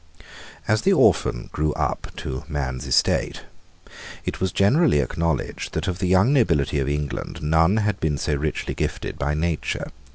As the orphan grew up to man's estate, it was generally acknowledged that of the young nobility of England none had been so richly gifted by nature.